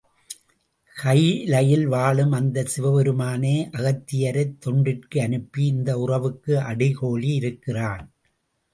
கைலையில் வாழும் அந்தச் சிவபெருமானே அகத்தியரைத் தென்னாட்டிற்கு அனுப்பி இந்த உறவுக்கு அடிகோலி இருக்கிறான்.